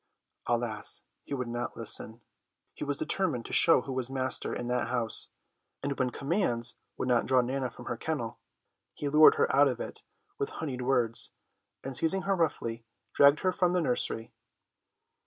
Alas, he would not listen. He was determined to show who was master in that house, and when commands would not draw Nana from the kennel, he lured her out of it with honeyed words, and seizing her roughly, dragged her from the nursery.